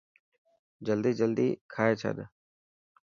جلدي جلدي کائي ڇڏ.